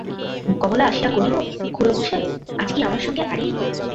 কমলা আসিয়া কহিল, খুড়োমশায়, আজ কি আমার সঙ্গে আড়ি?